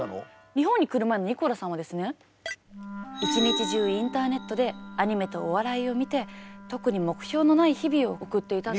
日本に来る前ニコラさんはですね１日中インターネットでアニメとお笑いを見て特に目標のない日々を送っていたんですけど。